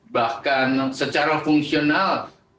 bahkan secara fungsional